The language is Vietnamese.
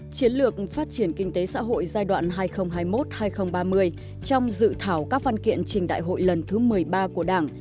chiến lược phát triển kinh tế xã hội giai đoạn hai nghìn hai mươi một hai nghìn ba mươi trong dự thảo các văn kiện trình đại hội lần thứ một mươi ba của đảng